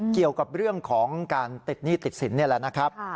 เกี่ยวกับเรื่องของการติดหนี้ติดสินนี่แหละนะครับ